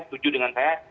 setuju dengan saya